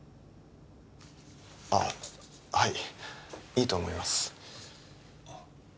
ああはいいいと思います